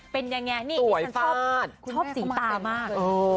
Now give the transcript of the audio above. เป็นยังไงนี่ดิฉันชอบสีตามาก